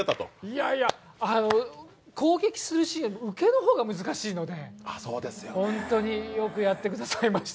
いやいや、攻撃するシーンは受ける方が難しいので本当によくやってくれました